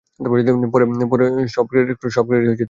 সব ক্রেডিট জুলির।